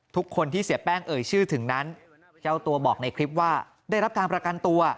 ทุกคนที่เสียแป้งเอ่ยชื่อถึงนั้นเจ้าตัวบอกในคลิปว่าได้รับการประกันตัว